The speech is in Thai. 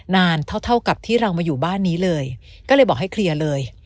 นานเท่าเท่ากับที่เรามาอยู่บ้านนี้เลยก็เลยบอกให้เคลียร์เลย